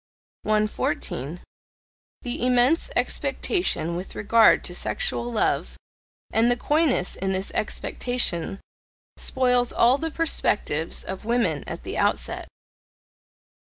114. The immense expectation with regard to sexual love, and the coyness in this expectation, spoils all the perspectives of women at the outset.